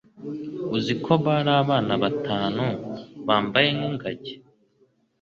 uziko bari abana b'abantu bambaye nk'ingagi.